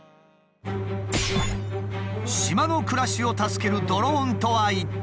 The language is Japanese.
島の暮らしを助けるドローンとは一体？